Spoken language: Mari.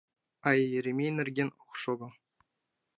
А Еремей нерен ок шого.